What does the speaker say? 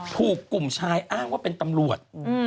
ถูกกลุ่มชายอ้างว่าเป็นตำรวจ